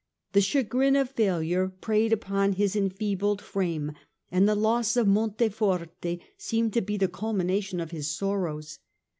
The chagrin of failure preyed upon his enfeebled frame, and the loss of Monteforte seemed to be the culmination of his sorrows.